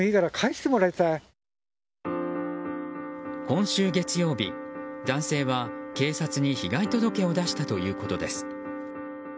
今週月曜日は、男性は警察に被害届を出したということです。